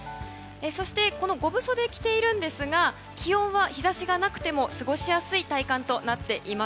そして五分袖を着ているんですが気温は日差しがなくても過ごしやすい体感です。